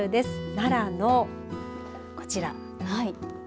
奈良のこちら。